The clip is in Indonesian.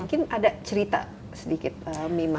mungkin ada cerita sedikit mima